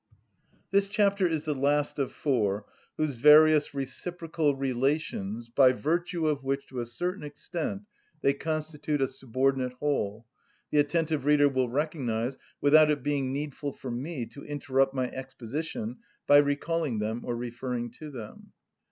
This chapter is the last of four whose various reciprocal relations, by virtue of which, to a certain extent, they constitute a subordinate whole, the attentive reader will recognise without it being needful for me to interrupt my exposition by recalling them or referring to them.